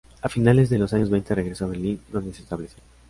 A finales de los años veinte, regresó a Berlín, donde se estableció.